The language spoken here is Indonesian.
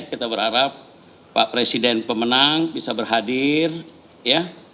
kita berharap pak presiden pemenang bisa berhadir ya